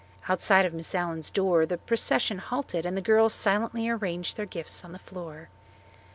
Outside of Miss Allen's door the procession halted and the girls silently arranged their gifts on the floor.